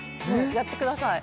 やってください